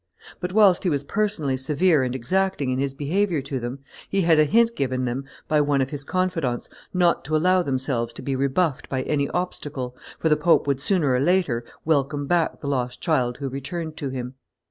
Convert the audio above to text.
But whilst he was personally severe and exacting in his behavior to then, he had a hint given them by one of his confidants not to allow themselves to be rebuffed by any obstacle, for the pope would, sooner or later, welcome back the lost child who returned to him.